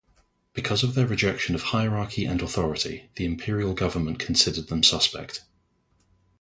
Because of their rejection of hierarchy and authority, the Imperial government considered them suspect.